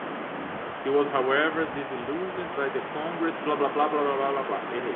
He was however disillusioned by the Congress governments approach towards governance.